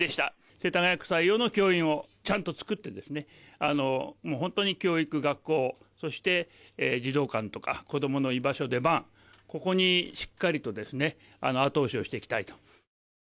世田谷区採用のちゃんと作って、本当に教育学校、そして児童館とか、子どもの居場所でここにしっかりと後押しをしていきたいと。